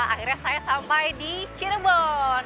akhirnya saya sampai di cirebon